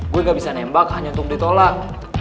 gue gak bisa nembak hanya untuk ditolak